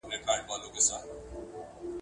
پوهان لا هم لیکي.